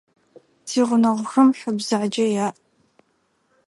Тигъунэгъухэм хьэ бзэджэ яӏ.